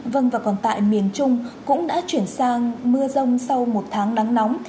vâng và còn tại miền trung cũng đã chuyển sang mưa rông sau một tháng nắng nóng